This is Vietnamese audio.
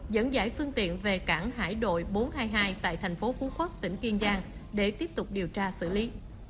dẫn giải phương tiện về cảng hải đội bốn trăm hai mươi hai tại thành phố phú quốc tỉnh kiên giang để tiếp tục điều tra xử lý